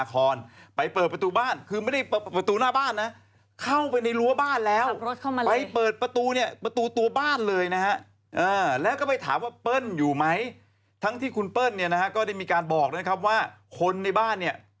ยกมือสวัสดีไหว้อะไรแหละ